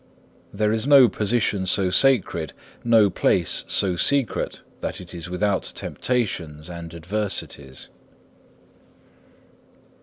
There is no position so sacred, no place so secret, that it is without temptations and adversities.